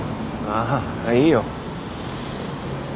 あいいよ。